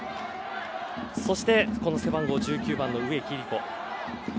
そして、背番号１９番の植木理子。